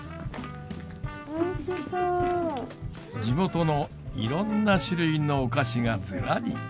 地元のいろんな種類のお菓子がずらり。